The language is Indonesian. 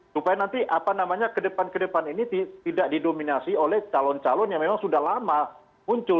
supaya nanti apa namanya ke depan ke depan ini tidak didominasi oleh calon calon yang memang sudah lama muncul